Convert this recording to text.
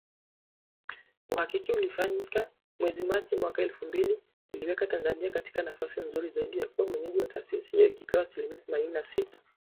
Uhakiki ulifanyika mwezi Machi mwaka elfu mbili uliiweka Tanzania katika nafasi nzuri zaidi kuwa mwenyeji wa taasisi hiyo ikipewa asilimia themanini na sita